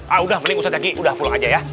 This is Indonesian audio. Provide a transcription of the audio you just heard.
ah udah mending ustadz zaky udah pulang aja ya